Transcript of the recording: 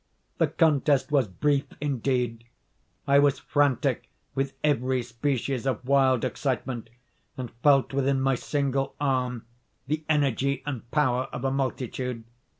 The contest was brief indeed. I was frantic with every species of wild excitement, and felt within my single arm the energy and power of a multitude.